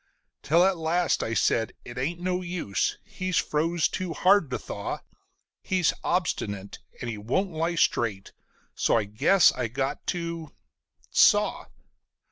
Till at last I said: "It ain't no use he's froze too hard to thaw; He's obstinate, and he won't lie straight, so I guess I got to saw."